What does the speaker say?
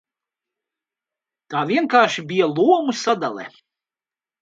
Tā vienkārši bija loma sadale.